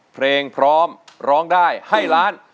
เพลงพร้อมร้องได้ให้ล้าน